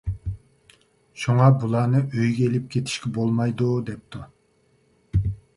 شۇڭا، بۇلارنى ئۆيگە ئېلىپ كېتىشكە بولمايدۇ، دەپتۇ.